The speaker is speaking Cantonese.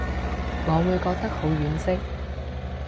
我會覺得婉惜